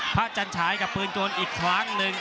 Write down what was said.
จันฉายกับปืนโจรอีกครั้งหนึ่ง